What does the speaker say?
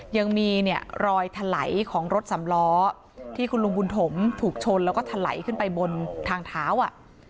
ยังมีเนี่ยรอยถลายของรถสำล้อที่คุณลุงบุญถมถูกชนแล้วก็ถลายขึ้นไปบนทางเท้าอ่ะ